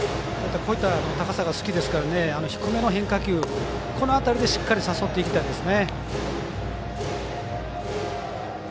こういった高さが好きですから低めの変化球この辺りでしっかり誘っていきたいですね。